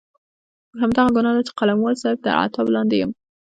همدغه ګناه ده چې د قلموال صاحب تر عتاب لاندې یم.